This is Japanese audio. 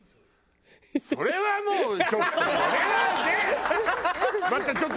それはもうちょっとそれはね！